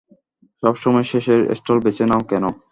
সবসময় শেষের স্টল বেছে নাও কেন?